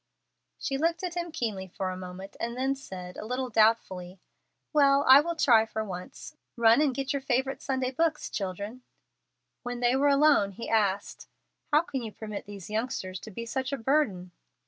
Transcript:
She looked at him keenly for a moment, and then said, a little doubtfully, "Well, I will try for once. Run and get your favorite Sunday books, children." When they were alone he asked, "How can you permit these youngsters to be such a burden?"